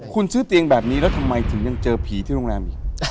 คุณซื้อเตียงแบบนี้แล้วทำไมถึงยังเจอผีที่โรงแรมอีก